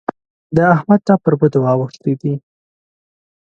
د احمد ټپ پر بدو اوښتی دی.